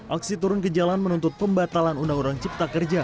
aksi turun ke jalan menuntut pembatalan undang undang cipta kerja